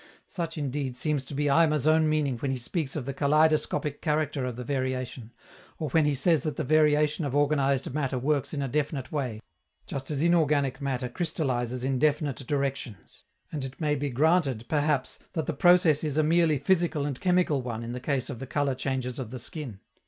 Such, indeed, seems to be Eimer's own meaning when he speaks of the "kaleidoscopic" character of the variation, or when he says that the variation of organized matter works in a definite way, just as inorganic matter crystallizes in definite directions. And it may be granted, perhaps, that the process is a merely physical and chemical one in the case of the color changes of the skin.